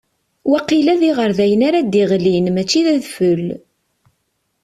Waqila d iɣerdayen ara d-iɣlin, mačči d adfel.